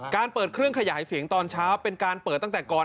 เปิดเครื่องขยายเสียงตอนเช้าเป็นการเปิดตั้งแต่ก่อน